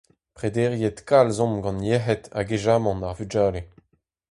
Prederiet kalz omp gant yec'hed hag aezamant ar vugale.